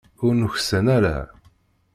Ur nuksan ara.